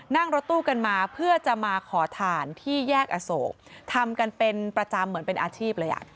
นั่งรถตู้กันมาเพื่อจะมาขอถ่านที่แยกอโศกทำกันเป็นประจำเหมือนเป็นอาชีพเลยอ่ะ